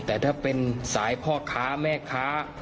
แต่ถ้าเป็นสายพ่อค้าแม่ค้า